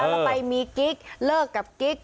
แล้วไปมีกิ๊กเลิกกับกิ๊ก